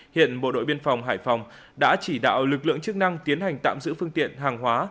hiện bộ đội biên phòng hải phòng đã chỉ đạo lực lượng chức năng tiến hành tạm giữ phương tiện hàng hóa